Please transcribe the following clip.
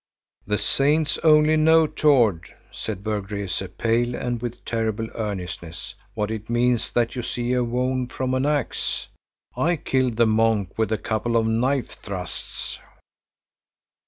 "The saints only know, Tord," said Berg Rese, pale and with terrible earnestness, "what it means that you see a wound from an axe. I killed the monk with a couple of knife thrusts."